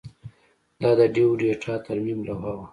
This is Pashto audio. دا د ډیو د ډیټا ترمیم لوحه وه